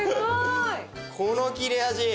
この切れ味！